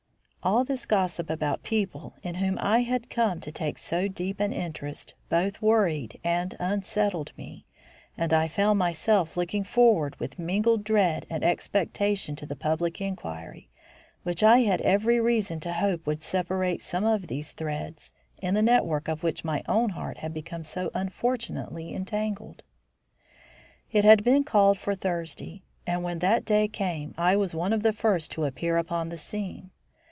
All this gossip about people in whom I had come to take so deep an interest both worried and unsettled me; and I found myself looking forward with mingled dread and expectation to the public inquiry, which I had every reason to hope would separate some of these threads, in the network of which my own heart had become so unfortunately entangled. It had been called for Thursday, and when that day came I was one of the first to appear upon the scene.